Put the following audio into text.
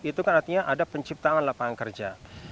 itu kan artinya ada penciptaan lapangan kerja